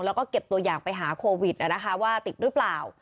แล้วก็เก็บตัวอย่างไปหาโควิดนะคะว่าติดหรือเปล่า